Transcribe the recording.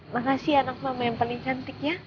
makasih anak mama yang paling cantiknya